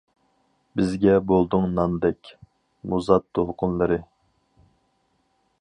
بىزگە بولدۇڭ ناندەك «مۇزات دولقۇنلىرى» .